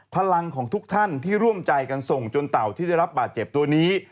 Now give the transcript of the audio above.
พลังของทุกท่านที่ร่วมใจกันส่งจนเต่าที่ได้รับบาดเจ็บตัวนี้